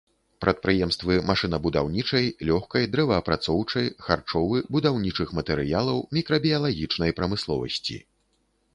Прадпрыемствы машынабудаўнічай, лёгкай, дрэваапрацоўчай, харчовы, будаўнічых матэрыялаў, мікрабіялагічнай прамысловасці.